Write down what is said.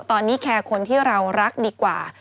ตอนนี้แคร์คนที่เรารักดีกว่า